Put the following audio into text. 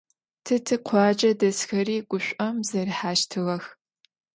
Тэ тикъуаджэ дэсхэри гушӀом зэрихьэщтыгъэх.